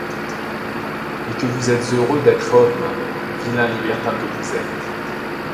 Et que vous êtes heureux d'être homme, vilain libertin que vous êtes!